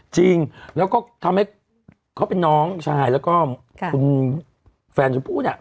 จริงแล้วก็ทำให้เขาเป็นน้องชายแล้วก็คุณแฟนชมพู่เนี่ย